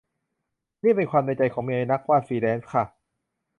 นี่เป็นความในใจของเมียนักวาดฟรีแลนซ์ค่ะ